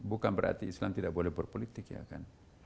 bukan berarti islam tidak boleh berpolitik ya kan